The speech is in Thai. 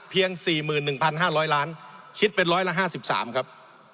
๔๑๕๐๐ล้านคิดเป็นร้อยละ๕๓ครับ